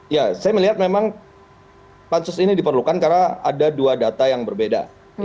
ya saya melihat memang pansus ini diperlukan karena ada dua data yang berbeda